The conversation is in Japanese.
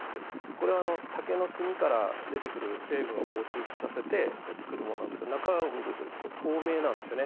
これは竹の炭から出てくる成分を抽出させて作るものなんですけど中を見るとこれ透明なんですよね。